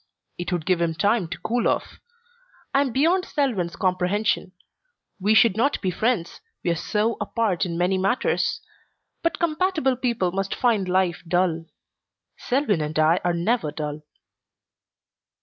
It would give him time to cool off. I am beyond Selwyn's comprehension. We should not be friends, we are so apart in many matters. But compatible people must find life dull. Selwyn and I are never dull.